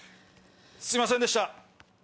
すいませんでした。